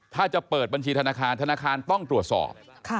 ถ้าจะเปิดบัญชีธนาคารธนาคารต้องตรวจสอบ